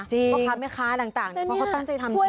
จริงแล้วก็คาดไม่ค้าต่างเพราะเขาตั้งใจทำดี